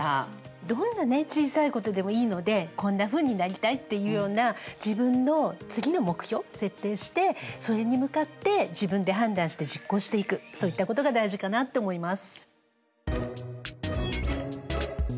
どんなね小さいことでもいいのでこんなふうになりたいっていうような自分の次の目標を設定してそれに向かって自分で判断して実行していくそういったことが大事かなって思います。